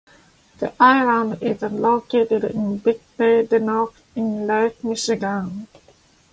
The island is located in Big Bay de Noc in Lake Michigan.